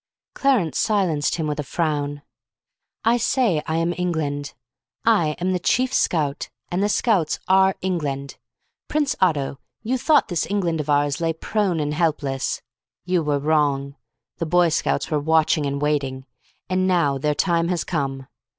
Clarence silenced him with a frown. "I say I am England. I am the Chief Scout, and the Scouts are England. Prince Otto, you thought this England of ours lay prone and helpless. You were wrong. The Boy Scouts were watching and waiting. And now their time has come.